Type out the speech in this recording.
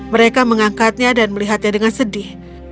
mereka mengangkatnya dan melihatnya dengan sedih